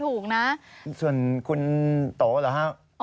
ถูก๒ตัว